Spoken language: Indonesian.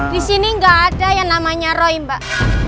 disini nggak ada yang namanya roy mbak